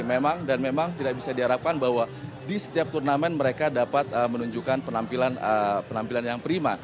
memang dan memang tidak bisa diharapkan bahwa di setiap turnamen mereka dapat menunjukkan penampilan yang prima